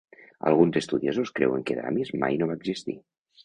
Alguns estudiosos creuen que Damis mai no va existir.